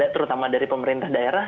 terutama dari pemerintah daerah